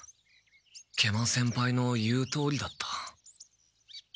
食満先輩の言うとおりだった。